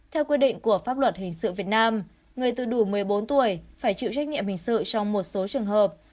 theo quy định của pháp luật hình sự việt nam người từ đủ một mươi bốn tuổi phải chịu trách nhiệm hình sự trong một số trường hợp